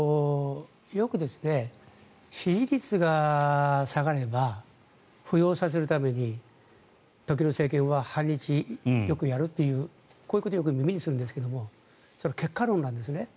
よく、支持率が下がれば浮揚させるために時の政権は反日をよくやるというこういうことをよく耳にするんですがそれは結果論なんですね。